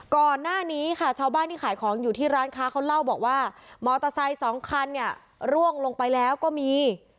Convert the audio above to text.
ก่อนหน้านี้ค่ะชาวบ้านที่ขายของอยู่ที่ร้านค้าเขาเล่าบอกว่ามอเตอร์ไซค์สองคันเนี่ยร่วงลงไปแล้วก็มี